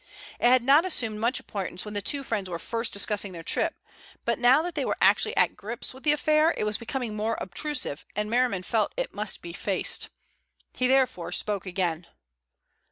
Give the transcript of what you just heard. It had not assumed much importance when the two friends were first discussing their trip, but now that they were actually at grips with the affair it was becoming more obtrusive, and Merriman felt it must be faced. He therefore spoke again.